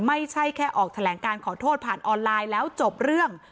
ไม่ใช่แค่ออกแถลงการขอโทษผ่านออนไลน์แล้วจบเรื่อง